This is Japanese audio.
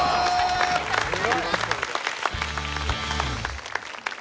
おめでとうございます。